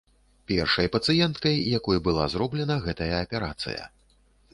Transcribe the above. Першай пацыенткай, якой была зробленая гэтая аперацыя.